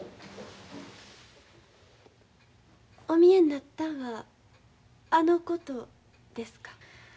お見えになったんはあのことですか？